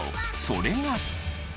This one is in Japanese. それが。